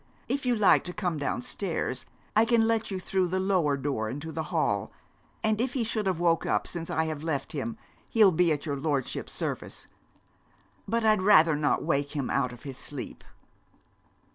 If you like to come downstairs I can let you through the lower door into the hall; and if he should have woke up since I have left him he'll be at your lordship's service. But I'd rather not wake him out of his sleep.'